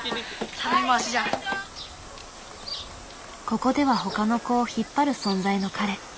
ここでは他の子を引っ張る存在の彼。